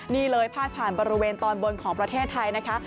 นี่เลยพาดผ่านบริเวณตอนบนของประเทศไทยนะคะ